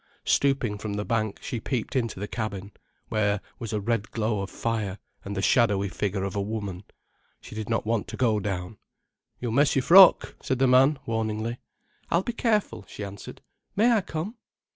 Stooping from the bank, she peeped into the cabin, where was a red glow of fire and the shadowy figure of a woman. She did want to go down. "You'll mess your frock," said the man, warningly. "I'll be careful," she answered. "May I come?"